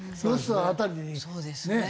そうですね。